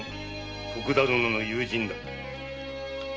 徳田殿の友人だ。